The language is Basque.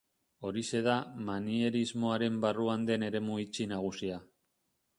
Horixe da manierismoaren barruan den eremu itxi nagusia.